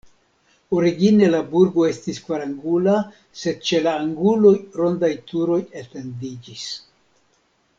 Origine la burgo estis kvarangula, sed ĉe la anguloj rondaj turoj etendiĝis.